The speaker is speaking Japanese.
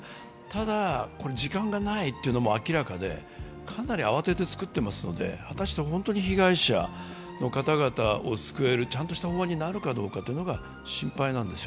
ただ、時間がないというのも明らかで、かなり慌てて作っているので果たして本当に被害者の方々を救えるちゃんとした法案になるかどうかが心配なんです。